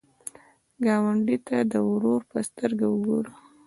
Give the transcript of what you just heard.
ګاونډي ته د ورور په سترګه وګوره